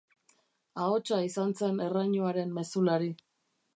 Ahotsa izan zen errainuaren mezulari.